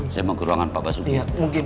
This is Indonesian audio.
saya mau ke ruangan pak basuki